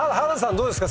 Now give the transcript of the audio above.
どうですか？